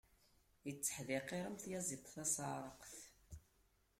Itteḥdiqiṛ am tyaziḍt tasaɛṛaqt.